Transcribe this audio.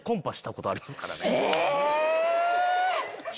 え